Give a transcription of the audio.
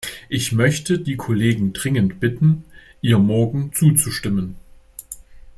Ich möchte die Kollegen dringend bitten, ihr morgen zuzustimmen.